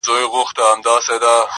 د زړه ملا مي راته وايي دغه.